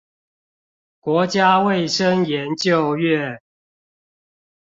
國家衛生研究院